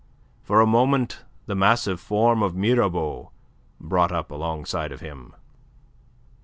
For a moment the massive form of Mirabeau brought up alongside of him.